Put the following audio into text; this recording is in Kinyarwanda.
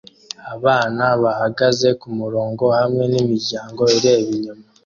Abana bahagaze kumurongo hamwe nimiryango ireba inyuma